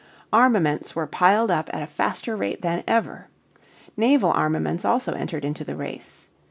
Armaments were piled up at a faster rate than ever. Naval armaments also entered into the race.